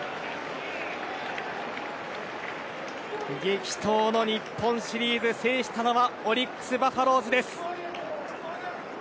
激闘の日本シリーズ、制したのはオリックス・バファローズです。